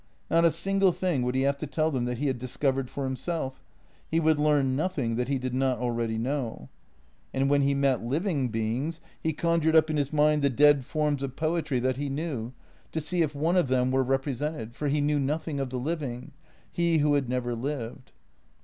Not a single thing would he have to tell them that he had discovered for himself; he would learn nothing that he did not already know. And when he met living beings he conjured up in his mind the dead forms of poetry that he knew, to see if one of them were repre sented, for he knew nothing of the living, he who had never lived.